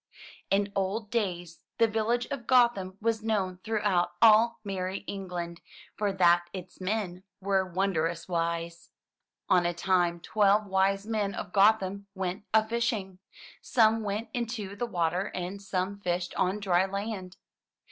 In old days the village of Gotham was known throughout all merry England, for that its men were wondrous wise. On a time, twelve wise men of Gotham went a fishing. Some went into the water and some fished on dry land.